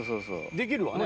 できるわね。